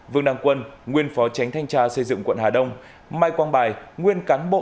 vương đăng quân nguyên phó tránh thanh tra xây dựng quận hà đông mai quang bài nguyên cán bộ